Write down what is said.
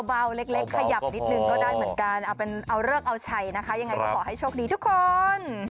เบาเล็กขยับนิดนึงก็ได้เหมือนกันเอาเลิกเอาชัยนะคะยังไงก็ขอให้โชคดีทุกคน